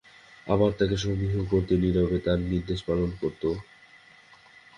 আবার তাঁকে সমীহও করত, নীরবে তাঁর নির্দেশ পালনও করত।